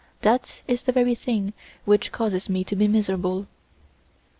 that is the very thing which causes me to be miserable.